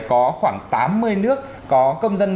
có khoảng tám mươi nước có công dân